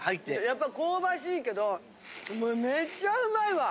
やっぱ香ばしいけどめっちゃうまいわ！